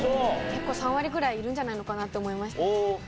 結構３割ぐらいいるんじゃないのかなと思いましたね。